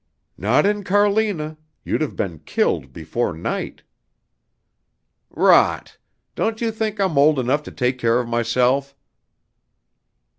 "Not in Carlina; you'd have been killed before night." "Rot! Don't you think I'm old enough to take care of myself?"